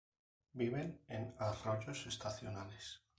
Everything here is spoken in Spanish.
Viven en arroyos estacionales.